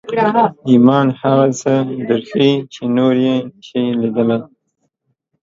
ایمان هغه څه درښيي چې نور یې نشي لیدلی